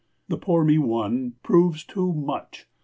The poor me one proves too much.